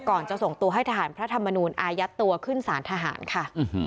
จะส่งตัวให้ทหารพระธรรมนูลอายัดตัวขึ้นสารทหารค่ะ